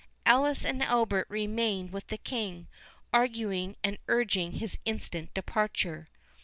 Alice and Albert remained with the King, arguing and urging his instant departure.